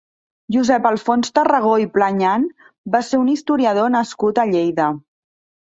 Josep Alfons Tarragó i Pleyan va ser un historiador nascut a Lleida.